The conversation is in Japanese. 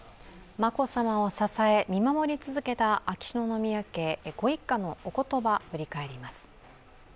眞子さまを支え、見守り続けた秋篠宮家ご一家のおことばを振り返ります。